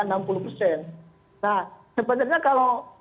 nah sebenarnya kalau